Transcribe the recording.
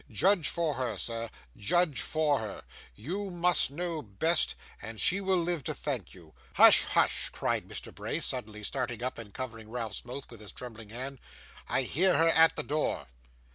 Judge for her, sir, judge for her. You must know best, and she will live to thank you.' 'Hush! hush!' cried Mr. Bray, suddenly starting up, and covering Ralph's mouth with his trembling hand. 'I hear her at the door!